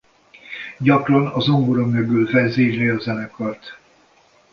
Gyakran a zongora mögül vezényli a zenekart.